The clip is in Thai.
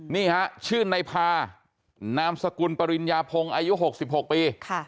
นี่ฮะชื่อนายพานามสกุลปริญญาโพงอายุหกสิบหกปี